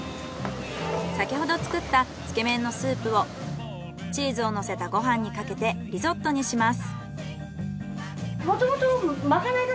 先ほど作ったつけ麺のスープをチーズを乗せたご飯にかけてリゾットにします。